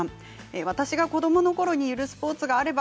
私が子どものころにゆるスポーツがあれば。